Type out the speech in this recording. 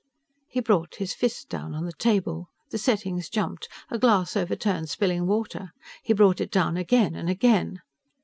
He brought his fist down on the table. The settings jumped; a glass overturned, spilling water. He brought it down again and again.